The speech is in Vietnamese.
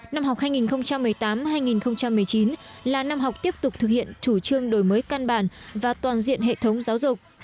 năm học hai nghìn một mươi tám hai nghìn một mươi chín là năm học tiếp tục thực hiện chủ trương đổi mới căn bản và toàn diện hệ thống giáo dục